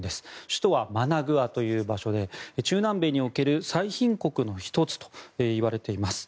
首都はマナグアという場所で中南米における最貧国の１つといわれています。